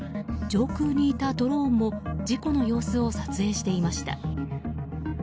上空にいたドローンも事故の様子を撮影していました。